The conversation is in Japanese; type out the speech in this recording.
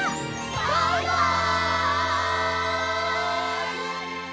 バイバイ！